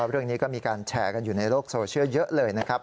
เรื่องนี้ก็มีการแชร์กันอยู่ในโลกโซเชียลเยอะเลยนะครับ